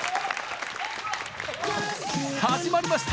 始まりました！